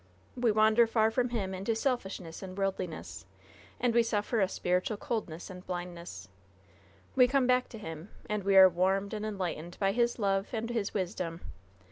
We wander far from Him into selfishness and worldliness, and we suffer a spiritual coldness and blindness; we come back to Him, and we are warmed and enlightened by His love and His wisdom.